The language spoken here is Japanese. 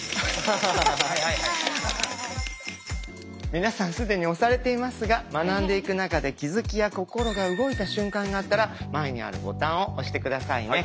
皆さん既に押されていますが学んでいく中で気づきや心が動いた瞬間があったら前にあるボタンを押して下さいね。